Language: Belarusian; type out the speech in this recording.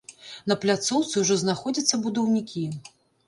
На пляцоўцы ўжо знаходзяцца будаўнікі.